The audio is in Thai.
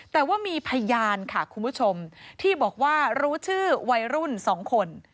แต่ว่ามีพยานค่ะคุณผู้ชมที่บอกว่ารู้ชื่อวัยรุ่น๒คน